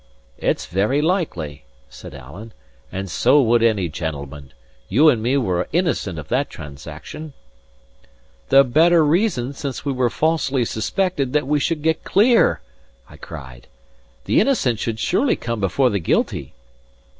"It's very likely," said Alan; "and so would any gentleman. You and me were innocent of that transaction." "The better reason, since we were falsely suspected, that we should get clear," I cried. "The innocent should surely come before the guilty."